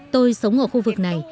tôi sống ở khu vực này